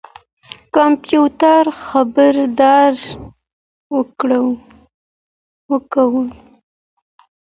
کمپيوټر خبردارى ورکوي.